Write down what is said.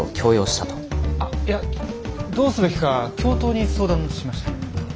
あっいやどうすべきか教頭に相談しました。